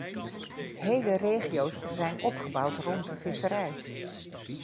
Hele regio's zijn opgebouwd rond de visserij.